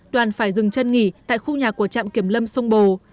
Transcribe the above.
đoàn phải dừng chân nghỉ tại khu nhà của trạm kiểm lâm sông bồ